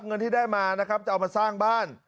เงินที่ได้มานะครับจะเอามาสร้างบ้าน